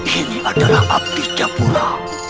ini adalah abdi jabura